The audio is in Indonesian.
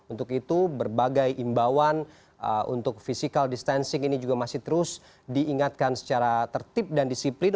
untuk itu berbagai imbauan untuk physical distancing ini juga masih terus diingatkan secara tertib dan disiplin